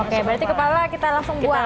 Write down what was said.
oke berarti kepala kita langsung buang